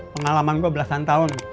pengalaman gue belasan tahun